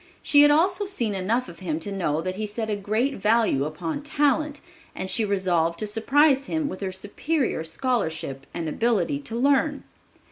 She had also seen enough of him to know that he set a great value upon talent, and she resolved to surprise him with her superior scholarship and ability to learn.